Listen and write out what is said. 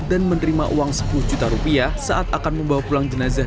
dan menerima uang sepuluh juta rupiah saat akan membawa pulang jenazah